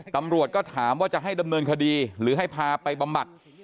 ตำรวจก็ถามว่าจะให้ดำเนินคดีหรือให้พาไปบำบัด